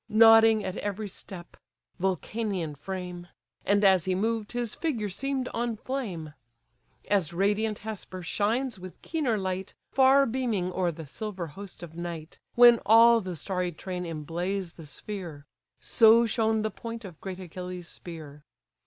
Nodding at every step: (Vulcanian frame!) And as he moved, his figure seem'd on flame. As radiant Hesper shines with keener light, Far beaming o'er the silver host of night, When all the starry train emblaze the sphere: So shone the point of great Achilles' spear.